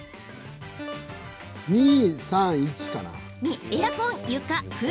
２、３、１かな？